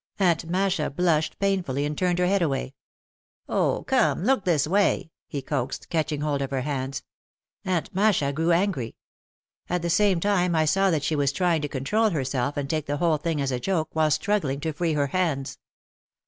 Aunt Masha blushed painfully and turned her head away. "Oh, come, look this way," he coaxed, catching hold of her hands. Aunt Masha grew angry. At the same time I saw that she was trying to control herself and take the whole thing as a joke while struggling to free her hands.